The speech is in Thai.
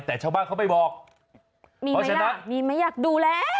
แต่ชาวบ้านเขาไม่บอกมีมัยอยากดูแล้ว